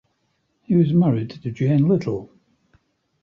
He was married to Jane Little.